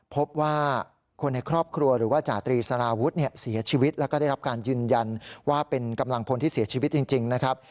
พบว่าคนในครอบครัวหรือว่าจาตรีสารวุฒิเนี่ยเสียชีวิตแล้วก็ได้รับการยืนยันว่าเป็นกำลังพลที่เสียชีวิตจริงนะครับ